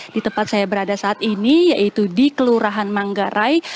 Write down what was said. di tempat saya berada saat ini yaitu di kelurahan manggarai